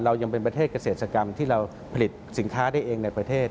เรายังเป็นประเทศเกษตรกรรมที่เราผลิตสินค้าได้เองในประเทศ